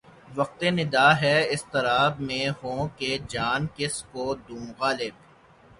وقت نِدا ہے اضطراب میں ہوں کہ جان کس کو دوں غالب